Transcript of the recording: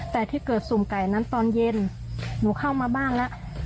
แต่ที่เกิดสุ่มไก่นั้นตอนเย็นหนูเข้ามาบ้านแล้ว